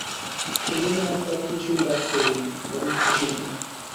সেইজন্যেই আমি তাতে কিছুই রাগ করি নি, বরঞ্চ খুশিই ছিলুম।